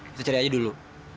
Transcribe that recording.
kita cari aja dulu